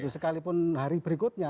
sekalipun hari berikutnya